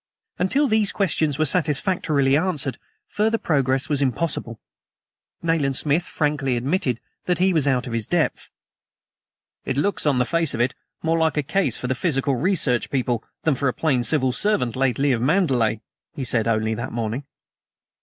Until these questions were satisfactorily answered, further progress was impossible. Nayland Smith frankly admitted that he was out of his depth. "It looks, on the face of it, more like a case for the Psychical Research people than for a plain Civil Servant, lately of Mandalay," he had said only that morning.